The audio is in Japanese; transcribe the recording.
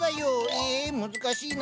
え難しいな。